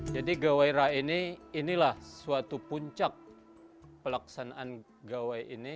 jadi gawai ra ini inilah suatu puncak pelaksanaan gawai ini